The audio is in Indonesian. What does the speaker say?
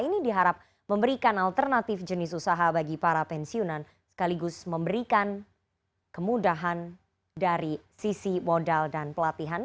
ini diharap memberikan alternatif jenis usaha bagi para pensiunan sekaligus memberikan kemudahan dari sisi modal dan pelatihan